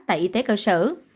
tại y tế cơ sở